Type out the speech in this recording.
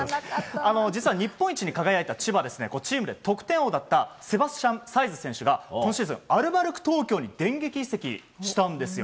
実は日本一に輝いた千葉チームで得点王だったセバスチャン・サイズ選手が今シーズン、アルバルク東京に電撃移籍したんですよ。